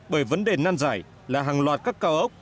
bởi vấn đề nan giải là hàng loạt các cao ốc